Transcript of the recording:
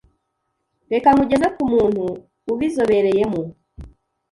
“reka nkugeze ku muntu ubizobereyemo,